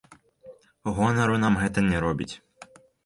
Гонару нам гэта не робіць.